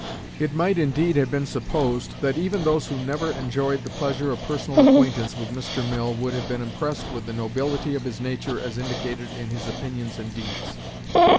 It might indeed have been supposed, that even those who never enjoyed the pleasure of personal acquaintance with Mr. Mill would have been impressed with the nobility of his nature as indicated in his opinions and deeds.